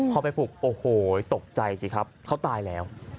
พอไปปลุกโอ้โหตกใจสิครับเขาตายแล้ว